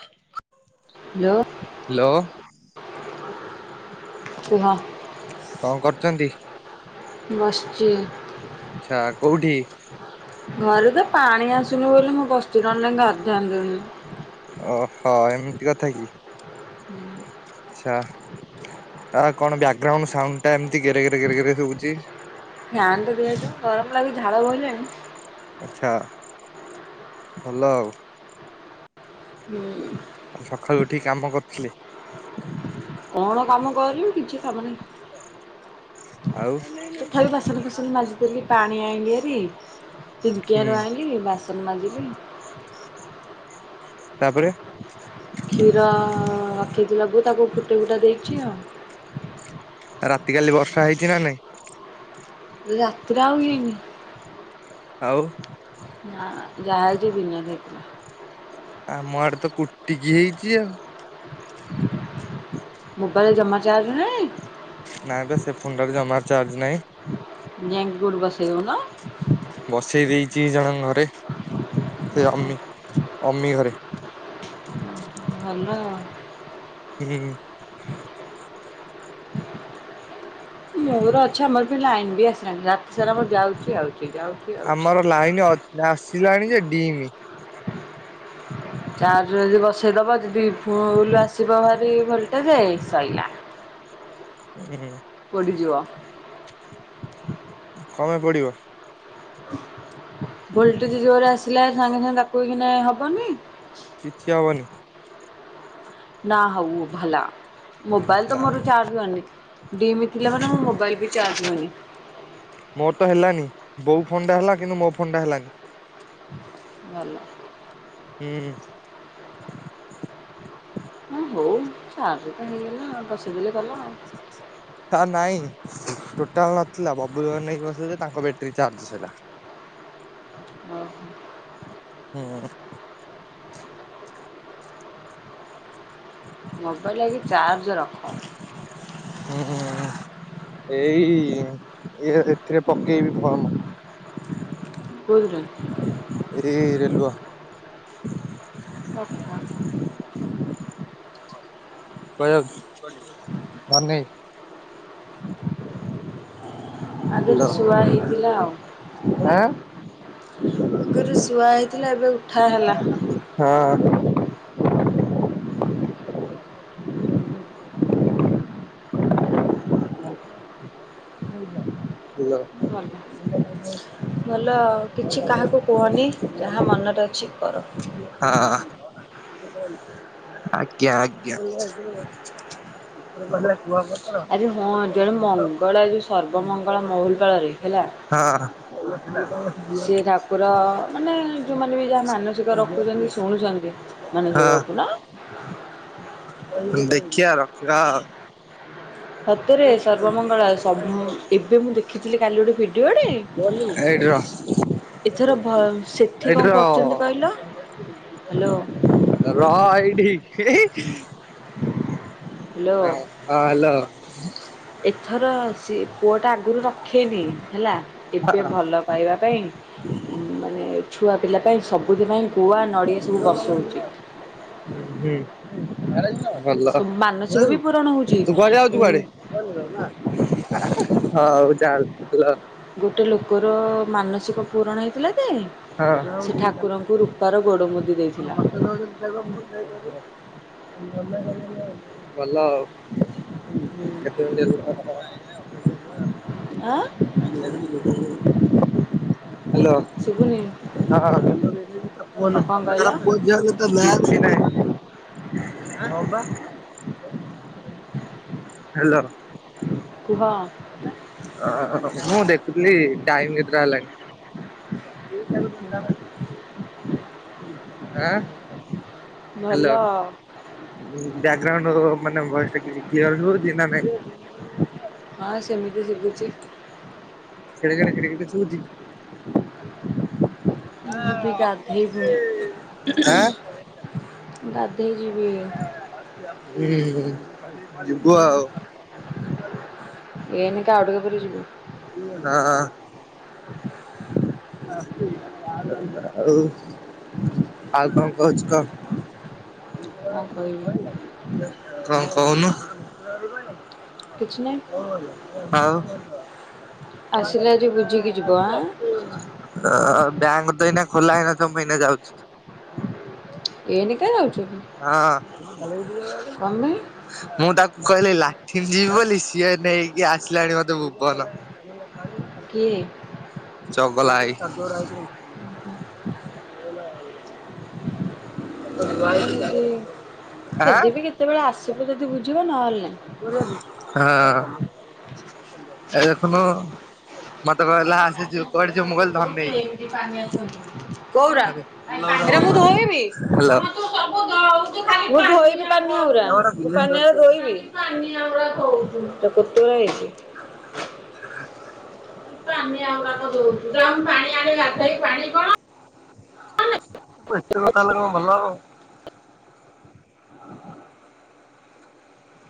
[inaudible] Hello hello [inaudible] କୁହ। କଣ କରୁଚନ୍ତି? ବସିଚି। ଆଛା କୋଉଠି? ଘରେ ତ ପାଣି ଆସୁନି ବୋଲି ମୁଁ ବସିଛି ନହେଲେ ନାଇ ଗାଧାନ୍ତିନି। ଅହ ଏମିତି କଥା କି? ଛା ତା କଣ ବ୍ୟାକଗ୍ରାଉଣ୍ଡ ସାଉଣ୍ଡଟା ଏମତି ଗେରେ ଗେରେ ଗେରେ ଗେରେ ଶୁବୁଚି। ଫ୍ୟାନ [unintelligible] ଗରମ୍ ଲାଗିକି ଝାଳ ବହିଲାଣି। ଆଚ୍ଛା ଭଲ ଆଉ। ହୁଁ। ଆ ସକାଳୁ ଉଠିକି କାମ କରୁଥିଲି। କଣ କାମ କରିବି କିଛି କାମ ନାହି। ଆଉ। ତଥାପି ବାସନ କୁସନ ମାଜିଦେଲି ପାଣି ଆଣିଲି ହାରି ହୁଁ ତିିଙ୍କିଆରୁ ଆଣିଲି ବାସ୍ ସନ ମାଜିଲି। ତାପରେ କ୍ଷୀର ରଖିଥିଲା ବୋଉ ତାକୁ ଫୁଟେଇ ଫୁଟା ଦେଇଛି ଆଉ। ରାତି କାଲି ବର୍ଷା ହେଇଛି ନା ନାଇଁ। ରାତିରେ ଆଉ ହେଇନି। ଆଉ। ନାଁ ଯାହା ଆଜି ଦିନରେ ହେଇଥିଲା। ଆମ ଆଡେ ତ କୁଟିକି ହେଇଛି ଆଉ। [inaudible] ମୋବାଇଲ ଜମା ଚାର୍ଜ ନାହିଁ। ନାଇଁ ବେ ସେ ଫୋନଟା ରେ ଜମା ଚାର୍ଜ ନାହିଁ। ଯାଇଁ କୋଉଠି ବସେଇ ଦଉନ। ବସେଇ ଦେଇଛି ଜଣଙ୍କ ଘରେ ସେ ଅମି ଅମି ଘରେ। ଭଲ। [inaudible] [inaudible] ମୋର ଅଛି ଆମର ବି ଲାଇନ ବି ଆସିଲାଣି ରାତି ସାରା ଆମର ଯାଉଛି ଆଉଛି ଯାଉ ଆମର ଲାଇନ ଅ ଆସିଲାଣି ଯେ ଡିମ୍। ଚାଜରେ ଯଦି ବସେଇଦବ ଦି ଫୁଲ୍ ଆସ ଆସିବ ଭାରି ଭୋଲ୍ଟେଜ୍ ସଇଲା। ହୁଁ। ପୋଡ଼ିଯିବ। କଂ ପାଇଁ ପୋଡିବ? [inaudible] ଭୋଲଟେଜ୍ ଜୋରେ ଆସିଲା ସାଙ୍ଗେ ସାଙ୍ଗେ ଧକୋଉକିନା ହବନି। କିଛି ହବନି। ନା ହଉ ଭଲ ମୋବାଇଲ ତ ନା ମୋର ଚାର୍ଜ କନି ଡିମ୍ ଥିଲା ମାନେ ମୋ ମୋବାଇଲ ବି ଚାର୍ଜ ହୁଏନି। ମୋର ତ ହେଲାନି ବୋଉ ଫୋନଟା ହେଲା କିନ୍ତୁ ମୋ ଫୋନଟା ହେଲାନି। [inaudible] ଭଲ। ହୁଁ। ହଁ ହଉ ଚାର୍ଜତ ହେଇଗଲା ବସେଇଦେଲେ ଗଲା ଆଉ। [unintelligible] ତାର ନାଇଁ। ଟୋଟାଲ ନଥିଲା ବବୁଲ ଘରେ ନେଇକି ବସିଲେ ଯେ ତାଙ୍କ ବ୍ୟାଟେରୀ ଚାର୍ଜ ସରିଗଲା। ଓ ହୋ। [unintelligible] [unintelligible] ମୋବାଇଲ ଆଗେ ଚାର୍ଜ ରଖ। ହୁ ହୁ। ଏଇ ଇଏ ଏଥିରେ ପକେଇବି ଫର୍ମ। [unintelligible] ବୁଝୁଚୁ। ଏଇ ରେଲୁଅ। ଆଛା। କୁଆଡେ ଯାଉଛୁ? ଆଗୁରୁ ହାଲୋ ଶୁଆ ହେଇଥିଲା ଆଉ। ଆଁ ଆଗୁରୁ ଶୁଆ ହେଇଥିଲା ଏବେ ଉଠା ହେଲା। ହଁ। ହାଲୋ ଭଲ ଭଲ କିଛି କାହାକୁ କୁହନି ଯାହା ମନରେ ଅଛି କର। ହଁ। ଆଜ୍ଞା ଆଜ୍ଞା। [inaudible] ଆରେ ହଁ ଜଣେ ମଙ୍ଗଳା ଯୋଉ ସର୍ବମଙ୍ଗଳା ମହୁଲପାଳରେ ହେଲା [unintelligible] ହଁ। ସିଏ ଠାକୁର ମାନେ ଯୋଉମାନେ ବି ଯାହା ମାନସିକ ରଖୁଛନ୍ତି ଶୁଣୁଛନ୍ତି ମାନସିକ ରଖୁନ ହଁ। ଦେଖିବା ରଖିବା ଆଉ। ସତେରେ ସର୍ବମଙ୍ଗଳା ସ ଏବେ ମୁଁ ଦେଖିଥିଲି କାଲି ଗୋଟେ ଭିଡିଓଟେ ଏଇଠି ର ଏଥର ସେଠି ଏଇଠି କଣ ରହ କରୁଛନ୍ତି କହିଲ ହ୍ୟାଲୋ ରହ ଏଇଠି ହି ହି ହ୍ୟାଲୋ ହ ହଁ ହ୍ୟାଲୋ ଏଥର ସେ ପୁଅ ଟା ଆଗୁରୁ ରଖେନି ହେଲା ଏବେ ଭଲ ପାଇବା ପାଇଁ ମାନେ ଛୁଆ ପିଲା ପାଇଁ ସବୁଦିନ ପାଇଁ ଗୁଆ ନଡ଼ିଆ ହୁଁ। ସବୁ ବସଉଛି ଭଲ ସବୁ ମାନସିକ ବି ପୂରଣ ହଉଛି ତୁ କୁଆଡେ ଯାଉଛୁ କୁଆଡେ? ହଉ। [unintelligible] ଗୋଟେ ଲୋକର ମାନସିକ ପୂରଣ ହେଇଥିଲା ଯେ ହଁ ସେ ଠାକୁରଙ୍କୁ ରୂପାର ଗୋଡ଼ ମୁଦି ଦେଇଥିଲା। ଭଲ ଆଉ। ଆଁ [unintelligible] ହ୍ୟାଲୋ। ଶୁଭୁନି କଣ କହିଲ ହଁ। [unintelligible] ହ୍ୟାଲୋ। କୁହ। ମୁଁ ଦେଖୁଥିଲି ଟାଇମ କେତେଟା ହେଲାଣି। [unintelligible] ଆ ଭଲ ହ୍ୟାଲୋ। ବ୍ୟାକ୍ ଗ୍ରାଉଣ୍ଡ ମାନେ ଭଏସ୍ ଟିକେ କ୍ଲିଅର୍ ରହୁଛି ନା ନାଇଁ? ହଁ ସେମିତି ସୁଭୁଛି। ଖେଡେଖେଡେ କେଟେକେଟେ ସୁଭୁଛିି। ଯିବି ଗାଧୋଇବିନି ହୁ ହୁ ଗାଧୋଇ ଯିବି। ହୁଁ ଯିବୁ ଆଉ। ଏଇନିକା ଆଉ ଟିକେ ପରେ ଯିବୁ। ହଁ। ଆଉ ଆଉ କଣ କହୁଛୁ କହ? କଣ କହିବି କଣ କହୁନୁ? କିଛି ନାହିଁ ଆଉ ଆସିଲେ ଆଜି ବୁଝିକି ଯିବ ଆଁ ଅ ବ୍ୟାଙ୍କ ତ ଏଇନା ଖୋଲା ହେଇନଥିବ ମୁ ଏଇନା ଯାଉଛି। ଏଇନେ କାଇଁ ଯାଉଛୁ? ହଁ। କଣ ପାଇଁ ମୁଁ ତାକୁ କହିଲି ଲାଟିନ୍ ଯିବି ବୋଲି ସିଏ ନେଇକି ଆସିଲାଣି ମତେ ଭୁବନ। କିଏ ଚଗଲା ଏଇ ଦେଖ ଯଦି ଆଁ ଯଦି ବି କେତେବେଳେ ଆସିବ ଯଦି ବୁଝିବ ନହେଲେ ନାହିଁ। ହଁ। ଏ ଦେଖୁନୁ ମତେ କହିଲା ଆସେ ଯିବୁ କୁଆଡ଼େ ଯିବୁ ମୁଁ କହିଲ କୋଉରା ହାଲୋ ଏଟା ମୁଁ ଧୋଇବି। ହାଲୋ ମୁଁ ଧୋଇବି ପାନିଆ ଉରା ମୁଁ ପାନିଆ ଊରା ଧୋଇବି। ସେଟା କୋତଳା ହେଇଛି। [unintelligible] ବେ ଏତେ କଥା ହେଲେ କଣ ଭଲହବ?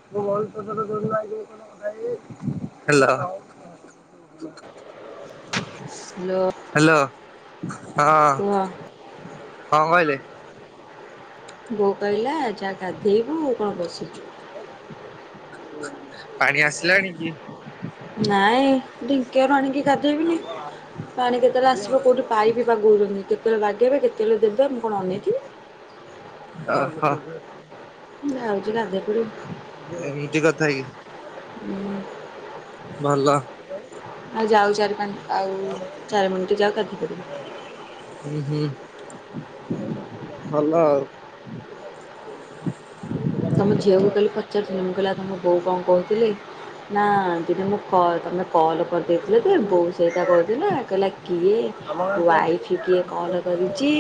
ହ୍ୟାଲୋ। ହ୍ୟାଲୋ ହଁ। ହ୍ୟାଲୋ କଣ କୁହ। କହିଲେ? ବୋଉ କହିଲା ଯା ଗାଧେଇବୁ କଣ ବସିଛୁ? ପାଣି ଆସିଲାଣି କି? ନାଇଁ ଢିଙ୍କିଆ ପାଣିକି ଗାଧେଇ। ପାଣି କେତେବେଳେ ଆସିବ କୋଉଠି ପାଇପି ବାଗଉଛନ୍ତି କେତେବେଳେ ବାଗେଇବେ କେତେବେଳେ ଦେବେ ମୁଁ କଣ ଅନେଇଥିବି। ଅ ହ! ଯାଉଛି ଗାଧେଇ ପଡିବି ଏମିତି କଥା କି? ଭଲ ଆଉ ଯାଉ ଚାରି ପାଞ୍ଚ ଆଉ ଚାରି ମିନିଟ ଯାଉ ଗାଧେଇ ପଡ଼ିବି। ହୁଁ ହୁଁ ଭଲ ଆଉ। ତମ ଝିଅକୁ କାଲି ପଚାରୁଥିଲି ମୁଁ କହିଲି ଆଉ ତମ ବୋଉ କଣକହୁଥିଲେ। ନା ଦିନେ ମୁଁ କଲ୍ ତମେ କଲ୍ କରିଦେଇଥିଲ ଯେ ବୋଉ ସେଇଟା କହୁଥିଲା କହିଲା କିଏ ୱାଇଫ କିଏ କଲ କରିଛି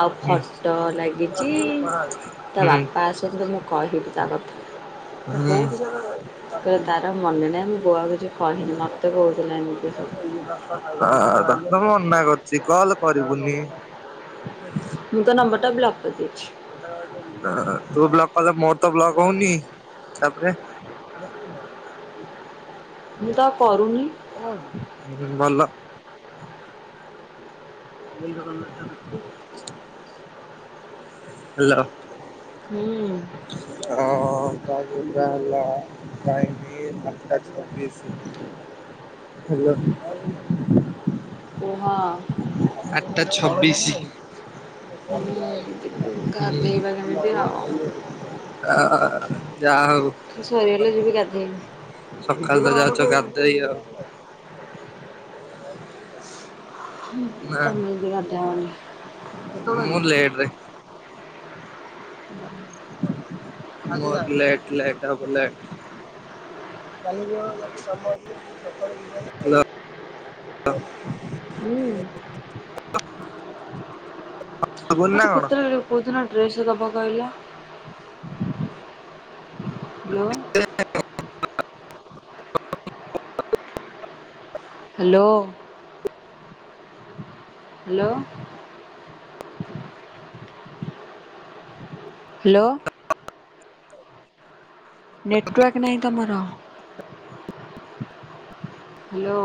ଆଉ ହୁଁ ଫଟୋ ଲାଗିଛି ତା ବାପା ଆସୁ ହୁଁ। କହିଲା ତାର ଆଉ ମନେ ନାହିଁ ମୁଁ ପୁଅକୁ କିଛି କହିନି ମତେ କହୁଥିଲା ଏମିତି ସବୁ। ହ ତତେ ମନା କରିଛି କଲ କରିବୁନି। ମୁଁ ତୋ ନମ୍ବରଟା ବ୍ଲକ୍ କରିଦେଇଛି। ତୁ ବ୍ଲକ କରିଦେ ମୋର ତ ବ୍ଲକ ହଉନି ତାପରେ ମୁଁ ତ କରୁନି। ହ ଭଲ। ହାଲୋ। ହୁଁ। ହଁ ଟାଇମ୍ ହେଲା ଟାଇମି ହାଲୋ। କୁହ? ଆଠଟା ଛବିଶି ହୁଁ ଯିବି ଗାଧେଇବା କେମିତି ଆଉ [inaudible] ଅ ଯା ହଉ ସରିଗଲେ ଯିବି ଗାଧେଇବି ସକାଳୁ ତ ଯାଉଛ ଗାଧେଇ ଆଉ ତମେ ନାଁ ଗାଧାଅନି ମୁଁ ଲେଟରେ [unintelligible] ମୋର ଲେଟ ଲେଟ ହବ ଲେଟ। ହାଲୋ। ହୁଁ। ଶୁଭୁନି ନା ମତେ କଣ ହଁ କୋଉଦିନ ଡ୍ରେସ ଦବ କହିଲ? Hello. Hello. Hello. Hello. Network ନାହିଁ ତମର? ହ୍ୟାଲୋ।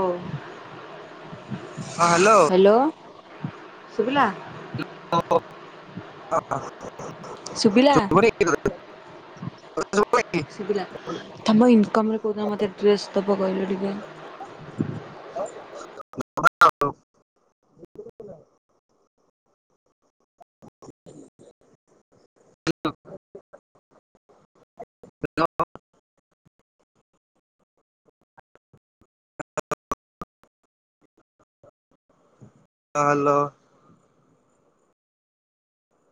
ହଁ ହ୍ୟାଲୋ। ହ୍ୟାଲୋ ସୁଭିଲା। ହଁ। ହଁ ହଁ। ସୁବିଲା? ହ୍ୟାଲୋ। ସୁବିଲା ତମ ଇନକମରେ କୋଉ ଦିନ ମତେ ଡ୍ରେସ ଦବ କହିଲ ଟିକେ? ହଁ ହାଲୋ।